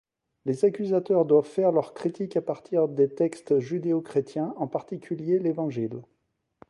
Les accusateurs doivent faire leurs critiques à partir des textes judéo-chrétiens, en particulier l’Évangile.